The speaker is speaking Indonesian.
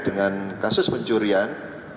dengan kasus pencurian